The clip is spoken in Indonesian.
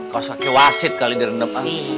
kalo sakit wasit kali direndam